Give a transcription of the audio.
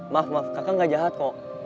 maaf maaf kakak gak jahat kok